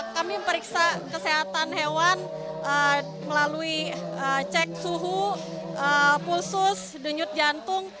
kami periksa kesehatan hewan melalui cek suhu pulsus denyut jantung